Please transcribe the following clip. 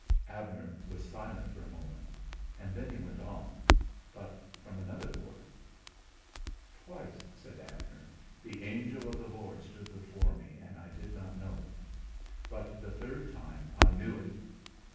Abner was silent for a moment and then he went on, but from another quarter. "Twice," said Abner, "the Angel of the Lord stood before me and I did not know it; but the third time I knew it.